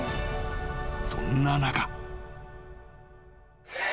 ［そんな中］